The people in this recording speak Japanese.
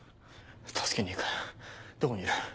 助けに行くどこにいる？